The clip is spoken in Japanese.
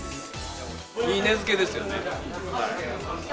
いい値付けですよね。